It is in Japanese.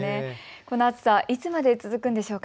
この暑さいつまで続くんでしょうか。